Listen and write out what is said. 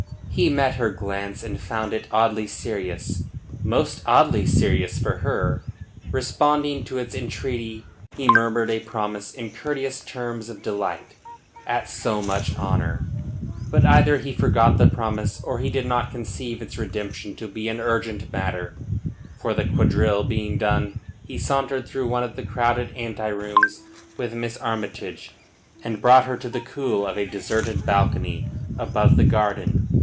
He met her glance, and found it oddly serious most oddly serious for her. Responding to its entreaty, he murmured a promise in courteous terms of delight at so much honour. But either he forgot the promise or did not conceive its redemption to be an urgent matter, for the quadrille being done he sauntered through one of the crowded ante rooms with Miss Armytage and brought her to the cool of a deserted balcony above the garden.